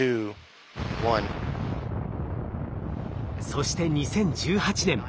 そして２０１８年